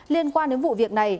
liên quan đến vụ việc này